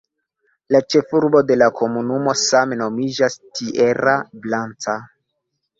La ĉefurbo de la komunumo same nomiĝas "Tierra Blanca".